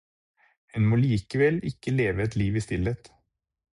Hun må likevel ikke leve et liv i stillhet.